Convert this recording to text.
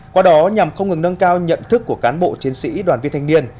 qua đó nhằm không ngừng nâng cao nhận thức của cán bộ chiến sĩ đoàn viên thanh niên